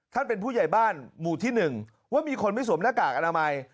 เป็นผู้ใหญ่บ้านหมู่ที่๑ว่ามีคนไม่สวมหน้ากากอนามัย